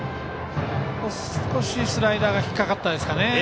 少し、スライダーが引っ掛かったんですかね。